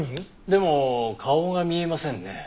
でも顔が見えませんね。